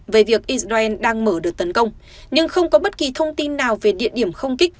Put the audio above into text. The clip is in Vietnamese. về việc israel đang mở đợt tấn công nhưng không có bất kỳ thông tin nào về địa điểm không kích